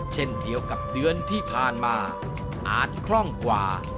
เช่นเดียวกับเดือนที่ผ่านมาอาจคล่องกว่า